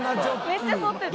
めっちゃ反ってた。